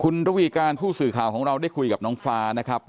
คุณระวีการผู้สื่อข่าวของเราได้คุยกับน้องฟ้านะครับ